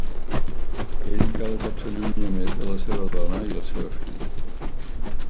Ell cada cop s'allunya més de la seva dona i la seva filla.